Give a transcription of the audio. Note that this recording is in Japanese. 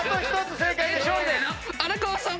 荒川さん。